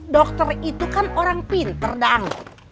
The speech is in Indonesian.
dokter itu kan orang pinter dang